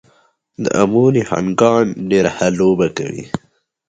د امو نهنګان ډېره ښه لوبه کوي.